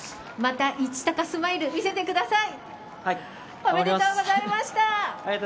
また一貴スマイル見せてください。